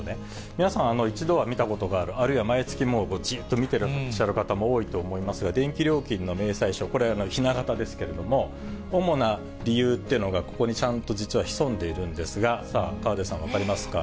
皆さん、一度は見たことがある、あるいは毎月じっと見てらっしゃる方も多いと思いますが、電気料金の明細書、これ、ひな形ですけれども、主な理由ってのが、ここにちゃんと実は潜んでいるんですが、さあ、河出さん、分かりますか？